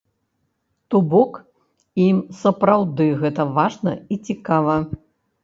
То бок ім сапраўды гэта важна і цікава.